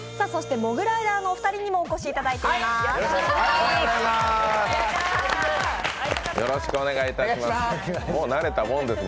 モグライダーのお二人にもお越しいただいています。